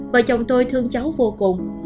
vợ chồng tôi thương cháu vô cùng